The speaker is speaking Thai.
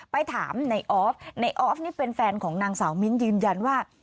ไปถามในออฟในออฟนี่เป็นแฟนของนางสาวมิ้นยืนยันว่า